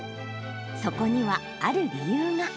そこにはある理由が。